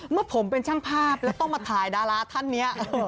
เมื่อผมเป็นช่างภาพแล้วต้องมาถ่ายดาราท่านนี้